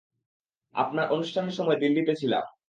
আপনার অনুষ্ঠানের সময় দিল্লীতে ছিলাম।